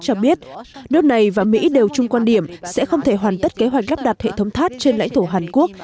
cho biết nước này và mỹ đều chung quan điểm sẽ không thể hoàn tất kế hoạch lắp đặt hệ thống tháp trên lãnh thổ hàn quốc